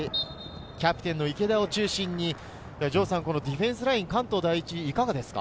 キャプテンの池田を中心にディフェンスライン、関東第一いかがですか？